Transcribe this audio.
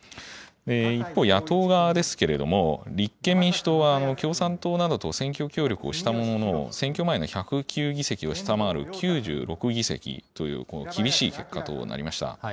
一方、野党側ですけれども、立憲民主党は共産党などと選挙協力をしたものの、選挙前の１０９議席を下回る９６議席という厳しい結果となりました。